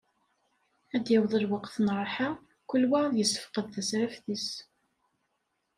Ad d-yaweḍ lweqt n rrḥa, kul wa ad yessefqed tasraft-is.